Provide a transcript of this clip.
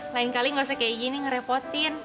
lain kali gak usah kayak gini ngerepotin